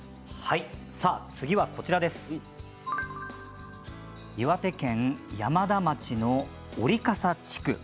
次は岩手県山田町の織笠地区。